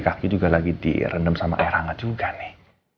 kaki juga lagi direndam sama air hangat juga nih